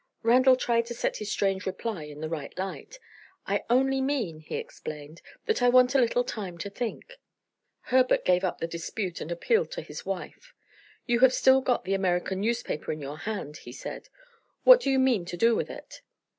Randal tried to set his strange reply in the right light. "I only mean," he explained, "that I want a little time to think." Herbert gave up the dispute and appealed to his wife. "You have still got the American newspaper in your hand," he said. "What do you mean to do with it?"